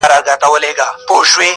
پاته له جهانه قافله به تر اسمانه وړم,